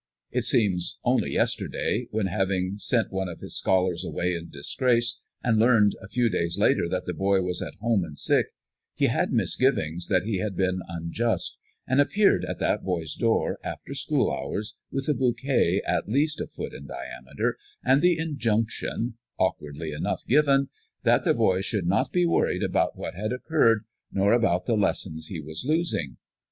It seems only yesterday, when, having sent one of his scholars away in disgrace, and learned a few days later that the boy was at home and sick, he had misgivings that he had been unjust, and appeared at that boy's door after school hours with a bouquet at least a foot in diameter, and the injunction awkwardly enough given that the boy should not be worried about what had occurred, nor about the lessons he was losing.